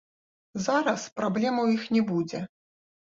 Зараз праблем у іх не будзе.